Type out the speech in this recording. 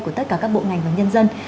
của tất cả các bộ ngành và nhân dân